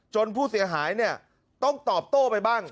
ผู้เสียหายเนี่ยต้องตอบโต้ไปบ้าง